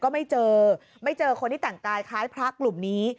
ก็ไม่เจอไม่เจอคนที่แต่งกายคล้ายพระกลุ่มนี้